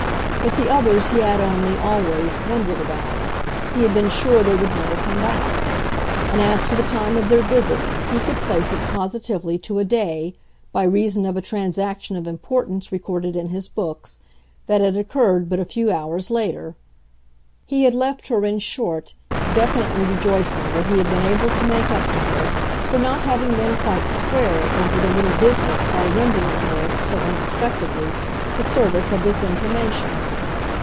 But the others he had only, always, wondered about he had been sure they would never come back. And as to the time of their visit, he could place it, positively, to a day by reason of a transaction of importance, recorded in his books, that had occurred but a few hours later. He had left her, in short, definitely rejoicing that he had been able to make up to her for not having been quite "square" over their little business by rendering her, so unexpectedly, the service of this information.